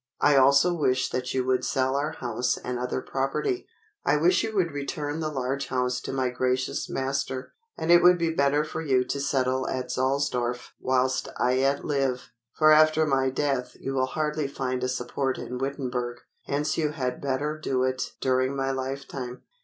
I also wish that you would sell our house and other property. I wish you would return the large house to my gracious master, and it would be better for you to settle at Zallsdorff whilst I yet live; for after my death you will hardly find a support in Wittenberg, hence you had better do it during my lifetime."